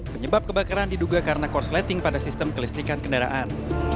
penyebab kebakaran diduga karena korsleting pada sistem kelistikan kendaraan